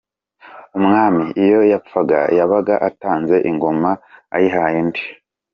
Umwami iyo yapfaga yabaga atanze ingoma, ayihaye undi!!